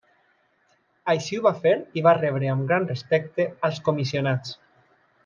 Així ho va fer i va rebre amb gran respecte als comissionats.